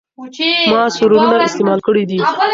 ما سرورونه استعمال کړي دي.